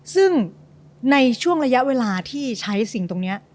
ซึ่งในช่วงระยะเวลาที่ใช้สิ่งตรงนี้